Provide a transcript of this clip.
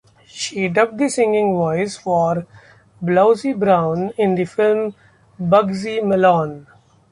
She dubbed the singing voice for Blousey Brown in the film "Bugsy Malone".